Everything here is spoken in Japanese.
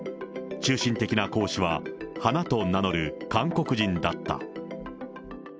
中心的な講師は、花と名乗る韓国人だった。